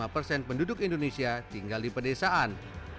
empat puluh lima persen penduduk indonesia tinggal di pedesaan